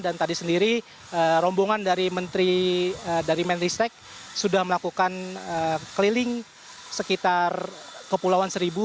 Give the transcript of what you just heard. dan tadi sendiri rombongan dari menteri dari menteri stek sudah melakukan keliling sekitar kepulauan seribu